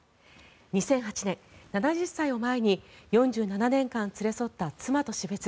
２００８年、７０歳を前に４７年間連れ添った妻と死別。